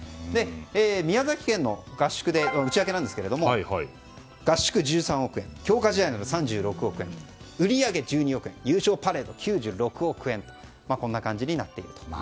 宮崎県の合宿で打ち上げなんですけども合宿１３億円強化試合など３６億円売上１２億円優勝パレード９６億円とこんな感じになっていると。